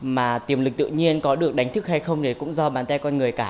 mà tiềm lực tự nhiên có được đánh thức hay không thì cũng do bàn tay con người cả